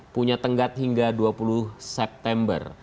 punya tenggat hingga dua puluh september